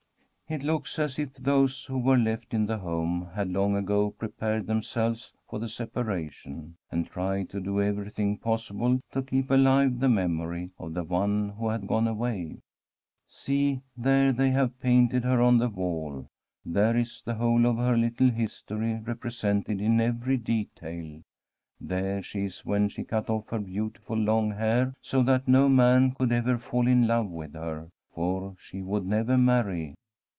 It looks as if those who were left in the home had long ago prepared themselves for the separa tion, and tried to do everything possible to keep alive the memory of the one who had gone away. Santa CATERINA of SIENA See, there they have painted her on the wall; there is the whole of her little history represented in every detail. There she is when she cut off her beautiful long hair so that no man could ever fall in love with her, for she would never marry.